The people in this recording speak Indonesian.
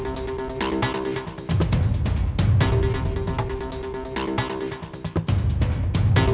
memulainya dari ketika itu